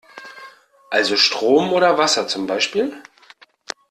Also Strom oder Wasser zum Beispiel?